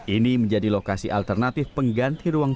ini menjadi lokasi alternatif pengganti ruang